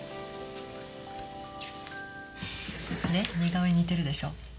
ねっ似顔絵に似てるでしょ？